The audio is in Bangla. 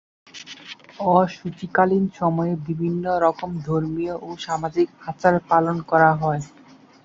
অশুচিকালীন সময়ে বিভিন্ন রকম ধর্মীয় ও সামাজিক আচার পালন করা হয়।